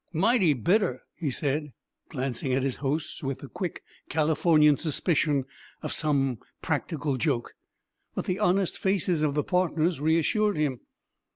"Mighty bitter!" he said, glancing at his hosts with the quick Californian suspicion of some practical joke. But the honest faces of the partners reassured him.